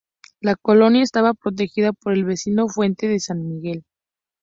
La colonia estaba protegida por el vecino Fuerte de San Miguel.